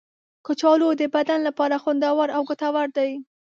کچالو د بدن لپاره خوندور او ګټور دی.